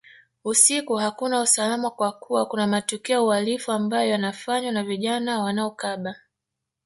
Usiku hakuna usalama kwa kuwa kuna matukio ya uhalifu ambayo yanafanywa na vijana wanaokaba